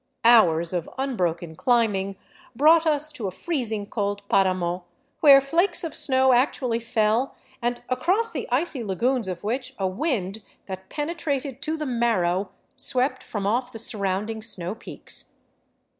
Hours of unbroken climbing brought us to a freezing cold paramo, where flakes of snow actually fell and across the icy lagoons of which a wind that penetrated to the marrow swept from oflf the surrounding snow peaks.